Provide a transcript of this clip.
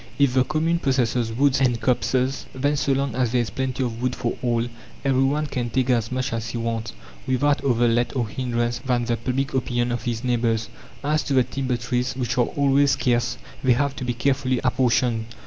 If the commune possesses woods and copses, then, so long as there is plenty of wood for all, every one can take as much as he wants, without other let or hindrance than the public opinion of his neighbours. As to the timber trees, which are always scarce, they have to be carefully apportioned.